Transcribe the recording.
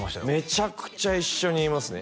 めちゃくちゃ一緒にいますね